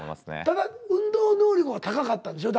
ただ運動能力は高かったんでしょ？